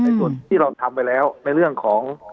ส่วนที่เราทำไปแล้วในเรื่องของ